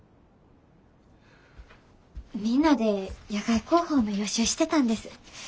みんなで野外航法の予習してたんです。